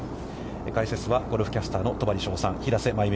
解説は、ゴルフキャスターの戸張捷さん、平瀬真由美